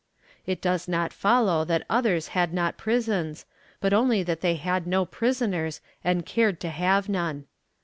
It does not follow that others had not prisons, but only that they had no prisoners and cared to have none.